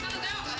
sekarang deh oh